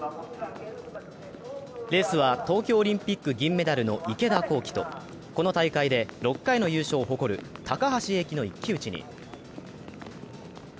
レースは東京オリンピック銀メダルの池田向希とこの大会で６回の優勝を誇る高橋英輝の一騎打ちに。